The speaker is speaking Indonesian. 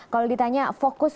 kalau ditanya fokus